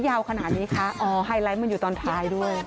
ยาวขนาดนี้คะอ๋อไฮไลท์มันอยู่ตอนท้ายด้วย